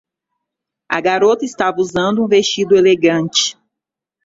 A garota estava usando um vestido elegante.